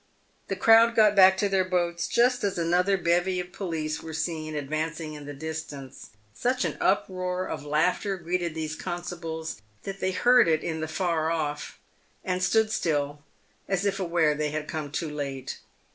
The crowd. got back to their boats just as another bevy of police were seen advancing in the distance. Such an uproar of laughter greeted these constables that they heard it in the far off, and stood still, as if aware that they had come too late.